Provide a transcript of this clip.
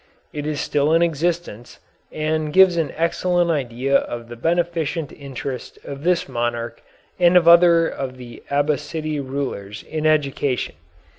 It is still in existence, and gives an excellent idea of the beneficent interest of this monarch and of other of the Abbasside rulers in education.